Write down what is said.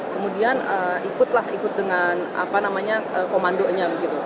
kemudian ikutlah ikut dengan komandonya